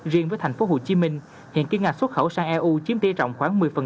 riêng với tp hcm hiện ký ngạc xuất khẩu sang eu chiếm tiết rộng khoảng một mươi